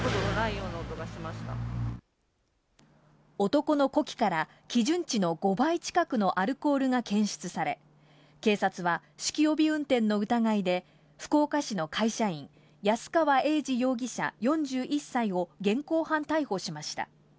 男の呼気から基準値の５倍近くのアルコールが検出され、警察は酒気帯び運転の疑いで、福岡市の会社員・安川英司容疑者４１歳を現行犯逮捕しました。